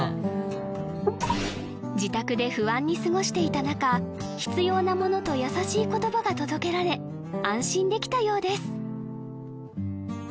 うん自宅で不安に過ごしていた中必要なものと優しい言葉が届けられ安心できたようです